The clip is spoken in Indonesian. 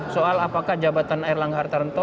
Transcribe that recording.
soal apakah jabatan erlangga hartarto